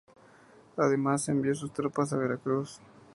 Además envió sus tropas a Veracruz.